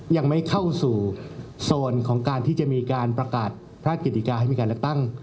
ยังไม่เข้าสู่โซนของการที่จะมีการประกาศพระกิติกาให้มีการเลือกตั้ง